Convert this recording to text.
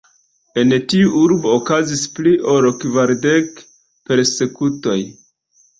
En tiu urbo okazis pli ol kvardek persekutoj.